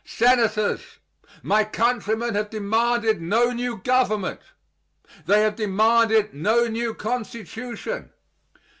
Senators, my countrymen have demanded no new government; they have demanded no new Constitution.